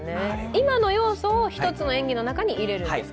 今の要素を１つの演技の中に入れるんですか？